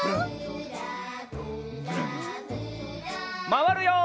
まわるよ。